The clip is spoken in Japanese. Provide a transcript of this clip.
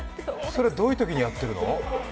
それ、どういうときにやってるの？